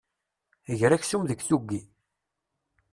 Ger aksum deg tuggi.